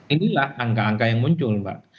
inilah angka angka yang muncul mbak